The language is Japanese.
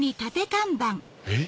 えっ？